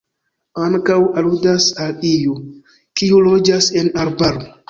Ankaŭ aludas al iu, kiu loĝas en arbaro.